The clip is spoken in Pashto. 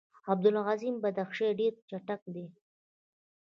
عبدالعظیم بدخشي ډېر چټک دی.